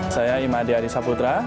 saya imadi arissa putra